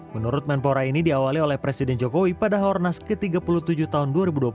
menurut menpora ini diawali oleh presiden jokowi pada haornas ke tiga puluh tujuh tahun dua ribu dua puluh